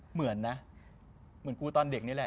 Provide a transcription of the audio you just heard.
เหมือนนะเหมือนกูตอนเด็กนี่แหละ